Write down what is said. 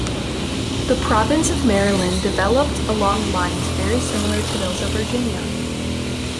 The Province of Maryland developed along lines very similar to those of Virginia.